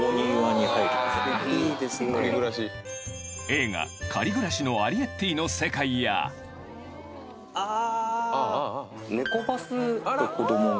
映画『借りぐらしのアリエッティ』の世界やあぁ！